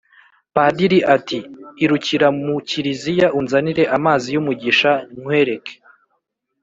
padiri, ati " irukira mu kiliziya unzanire amazi y'umugisha nkwereke"